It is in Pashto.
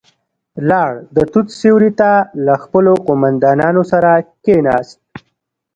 لاړ، د توت سيورې ته له خپلو قوماندانانو سره کېناست.